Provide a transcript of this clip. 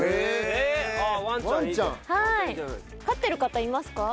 飼ってる方いますか？